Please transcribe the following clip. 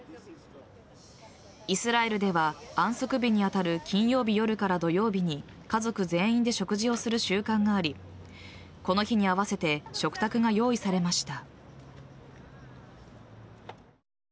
イスラエルでは安息日に当たる金曜日夜から土曜日に家族全員で食事をする習慣がありこの日に合わせて食卓が用意されました。